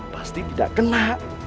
pasti tidak kena